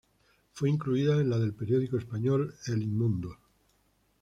Fue incluida en la del periódico español "El Mundo".